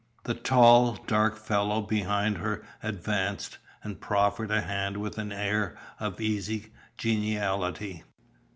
The tall, dark fellow behind her advanced, and proffered a hand with an air of easy geniality.